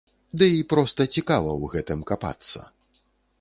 Ды і проста цікава ў гэтым капацца!